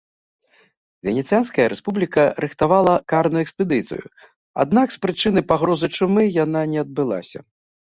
Венецыянская рэспубліка рыхтавала карную экспедыцыю, аднак з прычыны пагрозы чумы яна не адбылася.